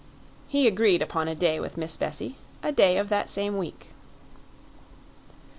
He agreed upon a day with Miss Bessie a day of that same week.